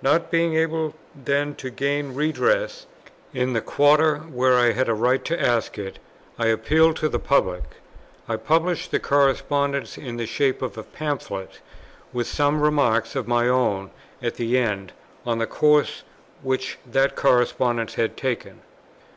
Not being able then to gain redress in the quarter, where I had a right to ask it, I appealed to the public. I published the correspondence in the shape of a Pamphlet, with some remarks of my own at the end, on the course which that correspondence had taken.